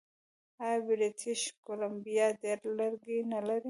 آیا بریټیش کولمبیا ډیر لرګي نلري؟